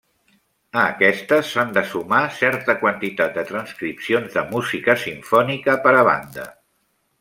A aquestes s'han de sumar certa quantitat de transcripcions de música simfònica per a banda.